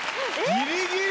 ギリギリ！